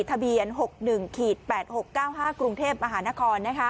ทะเบียน๖๑๘๖๙๕กรุงเทพมหานคร